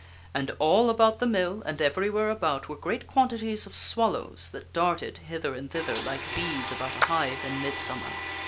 And all about the mill, and everywhere about, were great quantities of swallows that darted hither and thither like bees about a hive in midsummer.